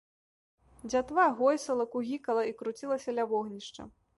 Дзятва гойсала, кугікала і круцілася ля вогнішча.